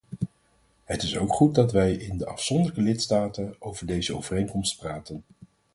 Het is ook goed dat wij in de afzonderlijke lidstaten over deze overeenkomst praten.